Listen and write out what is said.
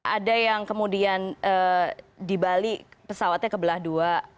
ada yang kemudian di bali pesawatnya kebelah dua